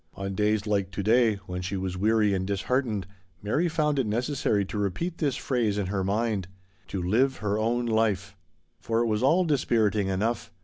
And days like to day, when she was weary and disheartened, Mary found it necessary to repeat this phrase in her mind :" To live her own life." And yet it was all dispiriting enough.